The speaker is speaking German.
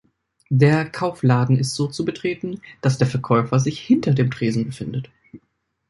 Der Kaufladen ist so zu betreten, dass der Verkäufer sich hinter dem Tresen befindet.